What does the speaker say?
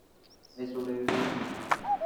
Le sobrevivió un hijo.